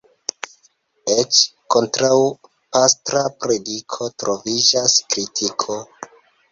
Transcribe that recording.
Eĉ kontraŭ pastra prediko troviĝas kritiko.